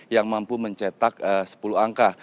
yang mampu mencetak sepuluh angka